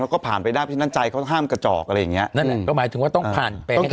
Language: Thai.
แล้วก็ผ่านไปได้เพราะฉะนั้นใจเขาห้ามกระจอกอะไรอย่างเงี้ยนั่นแหละก็หมายถึงว่าต้องผ่านไป